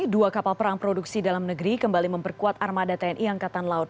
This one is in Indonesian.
dua kapal perang produksi dalam negeri kembali memperkuat armada tni angkatan laut